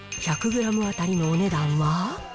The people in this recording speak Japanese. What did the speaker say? １００グラム当たりのお値段は？